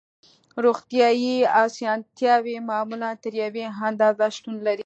روغتیایی اسانتیاوې معمولاً تر یوې اندازې شتون لري